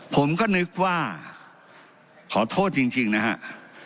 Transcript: ผมก็นึกว่าขอโทษจริงนะครับ